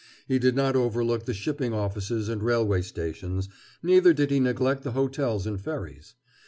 He did not overlook the shipping offices and railway stations, neither did he neglect the hotels and ferries.